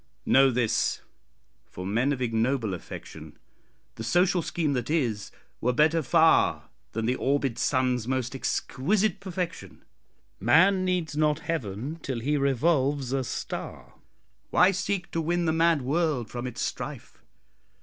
Know this! For men of ignoble affection, The social scheme that is, were better far Than the orbed sun's most exquisite perfection, Man needs not heaven till he revolves a star. Why seek to win the mad world from its strife?